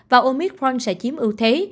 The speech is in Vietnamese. và omicron sẽ chiếm ưu thế